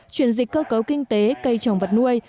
chuyển dịch cơ cấu kinh tế cây trồng vật nuôi